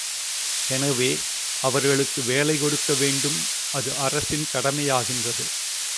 எனவே, அவர்களுக்கு வேலை கொடுக்க வேண்டும் அது அரசின் கடமையாகின்றது.